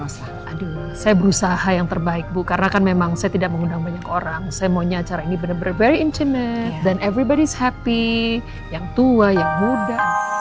saya berusaha yang terbaik bu karena kan memang saya tidak mengundang banyak orang saya maunya acara ini benar benar very internet dan everybody is happy yang tua yang muda